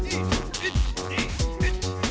１２！１２！